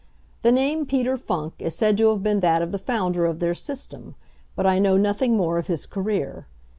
The name, Peter Funk, is said to have been that of the founder of their system; but I know nothing more of his career.